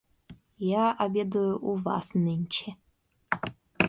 Я обедаю у вас нынче.